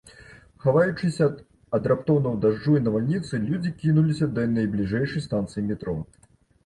Хаваючыся ад раптоўнага дажджу і навальніцы, людзі кінуліся да найбліжэйшай станцыі метро.